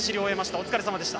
お疲れさまでした。